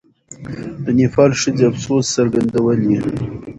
د نېپال ښځې افسوس څرګندولی.